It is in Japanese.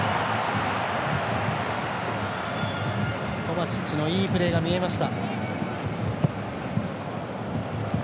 コバチッチのいいプレーが見えました。